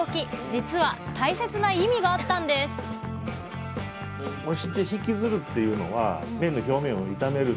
実は大切な意味があったんですすごい！